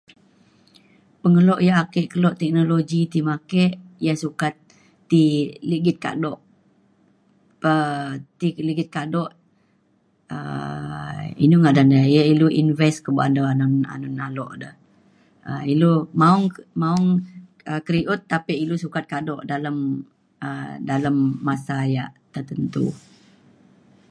pengeluk ya' ake keluk teknologi ti me ake, ya' sukat ti ligit kaduk pe ti ligit kaduk. um inu ngadan ya, ya' ilu invest ko' ba'an anun anun aluk de. um ilu maung maung um keriut tapi ilu sokat kaduk dalem um dalem masa ya' tertentu.